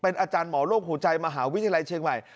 เป็นอาจารย์หมอโลห์หูใจมหาวิทยาลัยเชียงใหม่